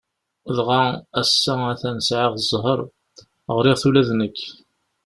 Dɣa ass-a a-t-an, sɛiɣ zzheṛ, ɣriɣ-t ula d nekk.